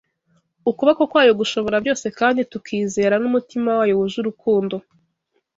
Ukuboko kwayo gushobora byose kandi tukizera n’umutima wayo wuje urukundo.